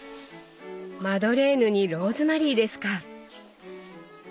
マドレーヌにローズマリーですか！